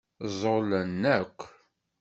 Ẓẓulen akk.